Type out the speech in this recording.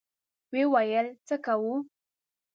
ويې ويل: څه کوو؟